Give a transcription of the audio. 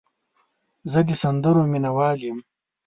زه د سندرو مینه وال یم.